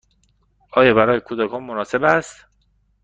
آیا برای کودکان مناسب است؟